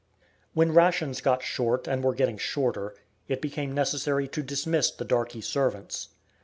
When rations got short and were getting shorter, it became necessary to dismiss the darkey servants.